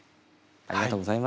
ありがとうございます。